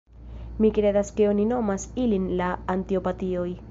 Mi kredas ke oni nomas ilin la Antipatioj."